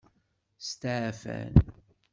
Steɛfan.